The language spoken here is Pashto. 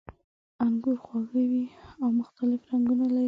انګور خواږه وي او مختلف رنګونه لري.